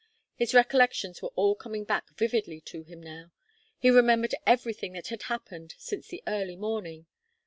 His recollections were all coming back vividly to him now. He remembered everything that had happened since the early morning.